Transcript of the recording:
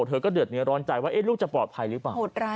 เธอก็เดือดเนื้อร้อนใจว่าลูกจะปลอดภัยหรือเปล่า